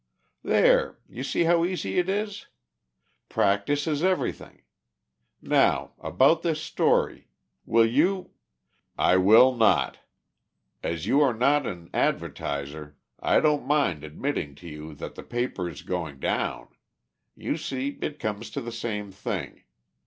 "There, you see how easy it is! Practice is everything. Now, about this story, will you " "I will not. As you are not an advertiser, I don't mind admitting to you that the paper is going down. You see it comes to the same thing.